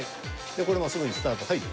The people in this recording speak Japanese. これもすぐにスタートはい。